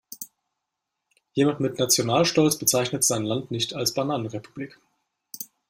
Jemand mit Nationalstolz bezeichnet sein Land nicht als Bananenrepublik.